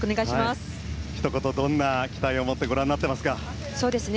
ひと言、どんな期待を持ってご覧になっていますか。